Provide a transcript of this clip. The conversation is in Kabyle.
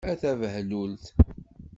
A tabehlult!